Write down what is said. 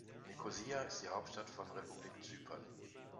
Nikosia ist die Hauptstadt von Republik Zypern.